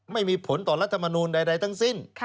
ไม่มีผลต่อรัฐมนูลใดทั้งสิ้น